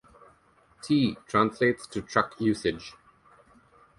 "T" translates to truck usage.